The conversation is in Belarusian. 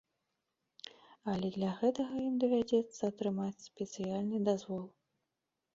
Але для гэтага ім давядзецца атрымаць спецыяльны дазвол.